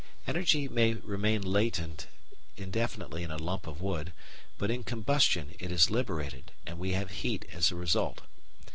Energy may remain latent indefinitely in a lump of wood, but in combustion it is liberated, and we have heat as a result.